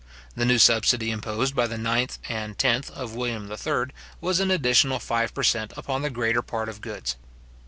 The new subsidy, imposed by the ninth and tenth of William III., was an additional five per cent. upon the greater part of goods.